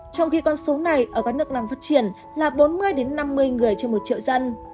trong khi con số này ở các nước đang phát triển là bốn mươi năm mươi người trên một triệu dân